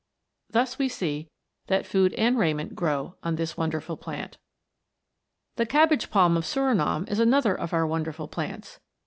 Thus we see that food and raiment grow on this wonderful plant. The cabbage palm of Surinam is another of our wonderful plants.